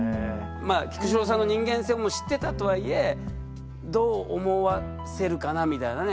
菊紫郎さんの人間性も知ってたとはいえどう思わせるかなみたいなね。